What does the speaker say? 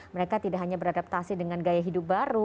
mereka tidak hanya beradaptasi dengan gaya hidup baru